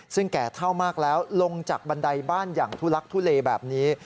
ซึ่งแก่เท่ามากแล้วลงจากบันไดบ้านอย่างทุลักทุเลแบบนี้